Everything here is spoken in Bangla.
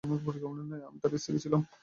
আমি তার স্ত্রী ছিলাম।